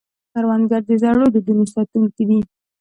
کروندګر د زړو دودونو ساتونکی دی